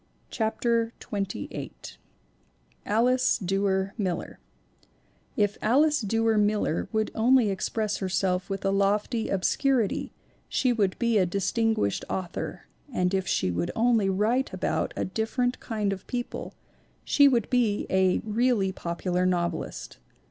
CHAPTER XXVIII ALICE DUER MILLER IF Alice Duer Miller would only express herself with a lofty obscurity she would be a Distin guished Author and if she would only write about a different kind of people she would be a really popu lar novelist.